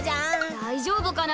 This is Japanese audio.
だいじょうぶかな？